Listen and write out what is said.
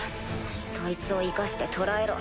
そいつを生かして捕らえろ。